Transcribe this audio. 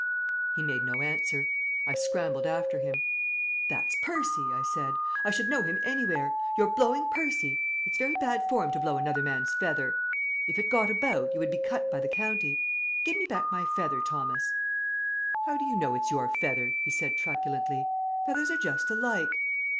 He made no answer. I scrambled after him. "That's Percy," I said. "I should know him anywhere. You're blowing Percy. It's very bad form to blow another man's feather. If it got about, you would be cut by the county. Give me back my feather, Thomas." "How do you know it's your feather?" he said truculently. "Feathers are just alike."